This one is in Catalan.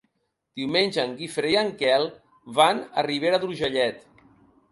Diumenge en Guifré i en Quel van a Ribera d'Urgellet.